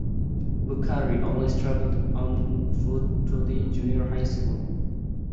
Bukhari always traveled on foot to the junior high school.